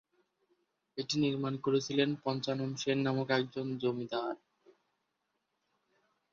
এটি নির্মাণ করেছিলেন পঞ্চানন সেন নামক একজন জমিদার।